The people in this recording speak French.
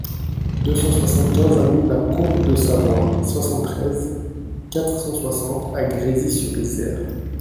deux cent soixante-quinze avenue de la Combe de Savoie, soixante-treize, quatre cent soixante à Grésy-sur-Isère